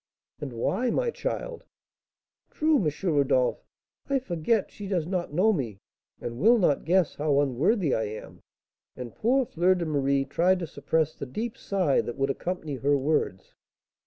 "And why, my child?" "True, M. Rodolph; I forget she does not know me, and will not guess how unworthy I am." And poor Fleur de Marie tried to suppress the deep sigh that would accompany her words.